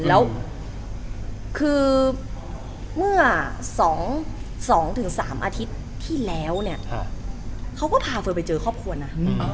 แล้วคือเมื่อ๒๓อาทิตย์ที่แล้วเนี่ยเขาก็พาเฟิร์นไปเจอครอบครัวนะ